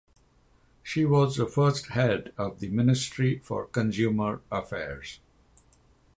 She was the first head of the Ministry for Consumer Affairs.